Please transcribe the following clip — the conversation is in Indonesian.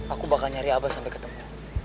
aku bakal nyari abah sampai ketemu